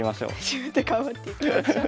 自分で頑張っていきましょう。